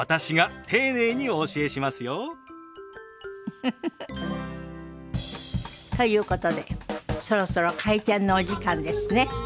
ウフフフ。ということでそろそろ開店のお時間ですね。